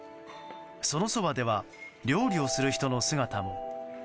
そのそばでは料理をする人の姿も。